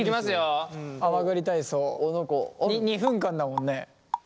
２分間だもんね。